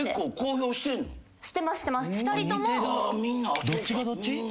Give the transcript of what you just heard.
２人とも。